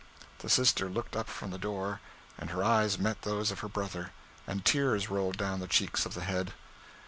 The sister looked up from the door, and her eyes met those of her brother, and tears rolled down the cheeks of the head.